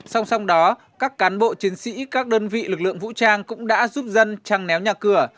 song song đó các cán bộ chiến sĩ các đơn vị lực lượng vũ trang cũng đã giúp dân trăng néo nhà cửa